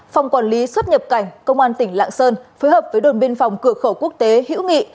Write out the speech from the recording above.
phòng quản lý xuất nhập cảnh công an tỉnh lạng sơn phối hợp với đồn biên phòng cửa khẩu quốc tế hữu nghị